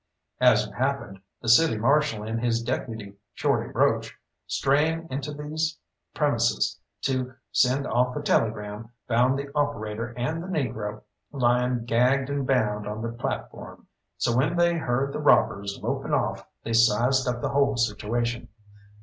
As it happened, the City Marshal and his deputy, Shorty Broach, straying into these premises to send off a telegram, found the operator and the negro lying gagged and bound on the platform; so when they heard the robbers loping off they sized up the whole situation.